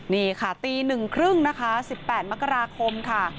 นี่ค่ะตีหนึ่งครึ่งนะคะ๑๘มกราคมค่ะ